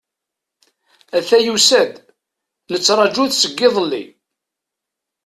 Ata yusa-d, nettṛaǧu-t seg iḍelli.